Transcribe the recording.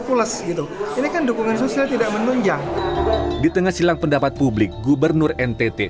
pules gitu ini kan dukungan sosial tidak menunjang di tengah silang pendapat publik gubernur ntt